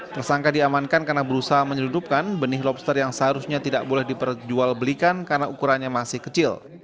tersangka diamankan karena berusaha menyeludupkan benih lobster yang seharusnya tidak boleh diperjual belikan karena ukurannya masih kecil